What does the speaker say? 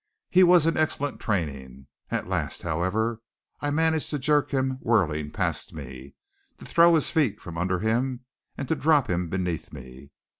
He was in excellent training. At last, however, I managed to jerk him whirling past me, to throw his feet from under him, and to drop him beneath me.